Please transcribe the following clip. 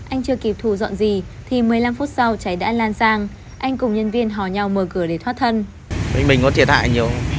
anh chưa kịp thù dọn gì thì một mươi năm phút sau cháy đã lan sang anh cùng nhân viên hò nhau mở cửa để thoát thân